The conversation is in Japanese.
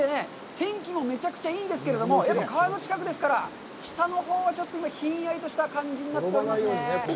天気もめちゃくちゃいいんですけれども、川の近くですから、下のほうはひんやりとした感じになっておりますね。